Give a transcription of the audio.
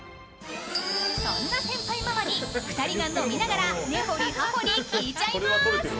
そんな先輩ママに２人が飲みながら根掘り葉掘り聞いちゃいまーす！